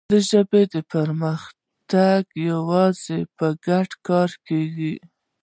د ژبې پرمختګ یوازې په ګډ کار کېږي.